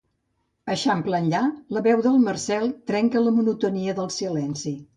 Eixample enllà, la veu del Marcel trenca la monotonia del silenci.